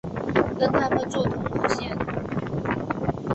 跟他们坐同路线